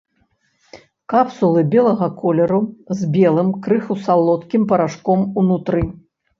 Капсулы белага колеру з белым, крыху салодкім парашком унутры.